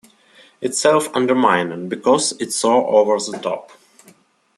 It's self-undermining, because it's so over the top.